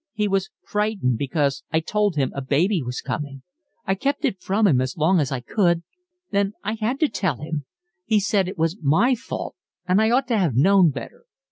He was frightened, because I told him a baby was coming. I kept it from him as long as I could. Then I had to tell him. He said it was my fault, and I ought to have known better.